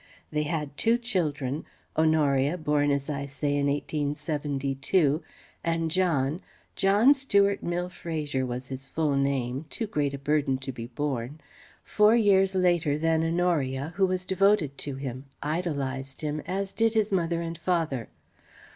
They had two children: Honoria, born, as I say, in 1872; and John (John Stuart Mill Fraser was his full name too great a burden to be borne) four years later than Honoria, who was devoted to him, idolized him, as did his mother and father.